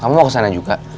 kamu mau kesana juga